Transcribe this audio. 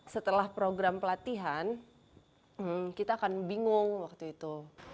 setelah program pelatihan kita akan bingung waktu itu